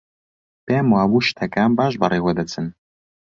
پێم وابوو شتەکان باش بەڕێوە دەچن.